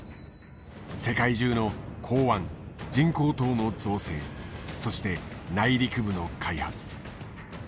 世界中の港湾人工島の造成そして内陸部の開発。